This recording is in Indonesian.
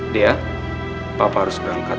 dea papa harus berangkat